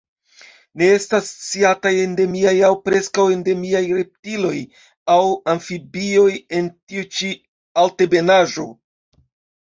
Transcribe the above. Ne estas sciataj endemiaj aŭ preskaŭ endemiaj reptilioj aŭ amfibioj en tiu ĉi altebenaĵo.